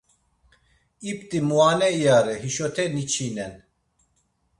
İp̌t̆i muane iyare, hişote niçinen.